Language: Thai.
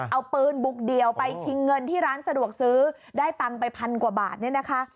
เอาปืนบุกเดี่ยวไปชิงเงินที่ร้านสะดวกซื้อได้ตังค์ไปพันกว่าบาทเนี่ยนะคะ